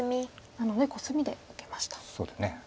なのでコスミで受けました。